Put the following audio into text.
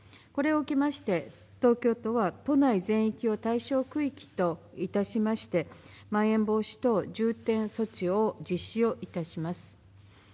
これを受けまして東京都は都内全域を対象区域といたしまして、まん延防止等重点措置を実施をいたします。